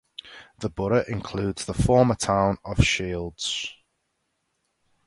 The borough includes the former town of Shields.